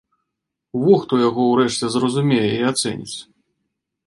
Во хто яго ўрэшце зразумее і ацэніць!